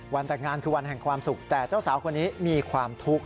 แต่งงานคือวันแห่งความสุขแต่เจ้าสาวคนนี้มีความทุกข์